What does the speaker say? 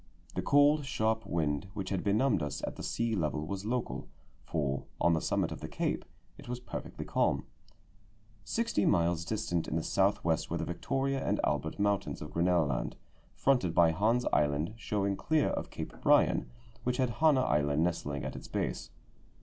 The cold, sharp wind which had benumbed us at the sea level was local, for, on the summit of the cape, it was perfectly calm. Sixty miles distant in the south west were the Victoria and Albert mountains of Grinnel Land, fronted by Hans Island showing clear of Cape Bryan, which had Hannah Island nestling at its base.